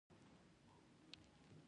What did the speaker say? ویده خوب د ژوند اړتیا ده